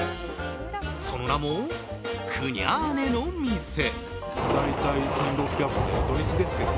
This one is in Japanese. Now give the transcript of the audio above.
その名も、クニャーネの店。